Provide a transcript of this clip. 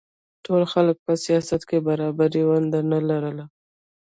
ټولو خلکو په سیاست کې برابره ونډه نه لرله